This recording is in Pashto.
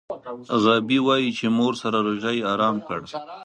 غابي وايي چې مور سره روژه یې ارام کړ.